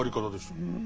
うん。